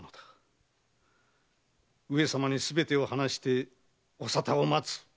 上様にすべてを話してお沙汰を待つ。